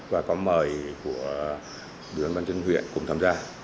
và có mời của đường văn chân huyện cùng tham gia